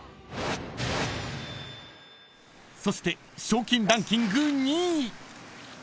［そして賞金ランキング２位］